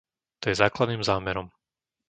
To je základným zámerom.